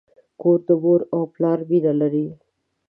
کور د مور او پلار مینه لري.